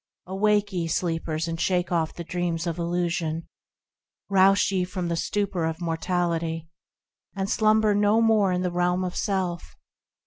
Awake, ye sleepers, and shake off the dreams of illusion ! Rouse ye from the stupor of mortality ! And slumber no more in the realm of self